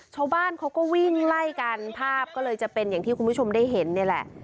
ชาวบ้านเขาก็วิ่งไล่กันภาพก็เลยจะเป็นอย่างที่คุณผู้ชมได้เห็นนี่แหละ